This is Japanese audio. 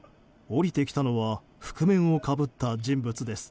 降りてきたのは覆面をかぶった人物です。